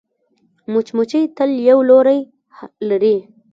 مچمچۍ تل یو لوری لري